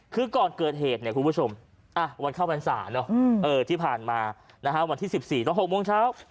คือก่อนเกิดเหตุเนี่ยคุณผู้ชมอ่ะวันข้าวพรรษาเนอะเออที่ผ่านมานะฮะวันที่๑๔ต้อง๖โมงเช้า